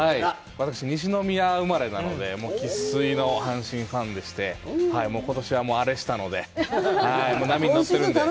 私、西宮生まれなので生粋の阪神ファンでして今年はアレしたので、波に乗ってるんで。